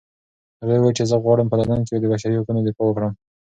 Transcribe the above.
هغې وویل چې زه غواړم په لندن کې د بشري حقونو دفاع وکړم.